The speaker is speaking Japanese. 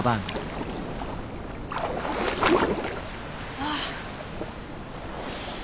ああ。